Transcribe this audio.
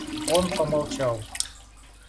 Он помолчал.